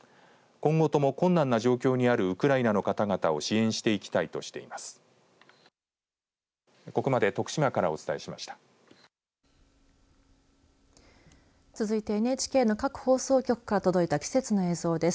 今後とも困難な状況にあるウクライナの方々を支援していきたいとしています。